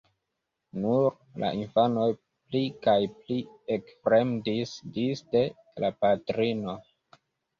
Nur la infanoj pli kaj pli ekfremdis disde la patrino.